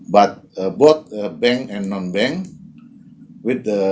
tetapi kedua bank dan dua bank tidak